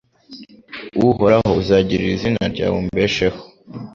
Uhoraho uzagirira izina ryawe umbesheho